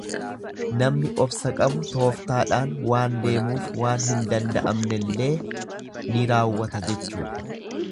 Namni obsa qabu tooftaadhaan waan deemuuf waan hin danda'amnellee ni raawwata jechuudha.